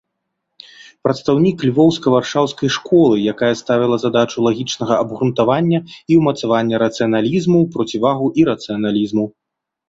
Прадстаўнік львоўска-варшаўскай школы, якая ставіла задачу лагічнага абгрунтавання і ўмацавання рацыяналізму ў процівагу ірацыяналізму.